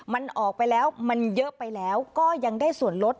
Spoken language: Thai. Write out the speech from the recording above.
มันออกไปแล้วมันเยอะไปแล้วก็ยังได้ส่วนลด